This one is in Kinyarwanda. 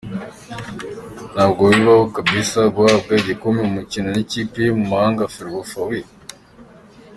ntabwo bibaho kbs guhabwa igikombe ku mukino nikipe yo mu mahanga ferwafa weeee!!!!.